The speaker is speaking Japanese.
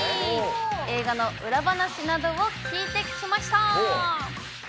映画の裏話などを聞いてきました。